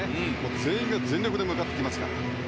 全員が全力で向かってきますから。